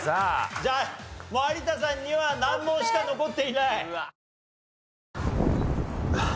じゃあもう有田さんには難問しか残っていない。